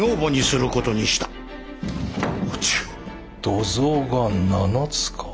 土蔵が７つか。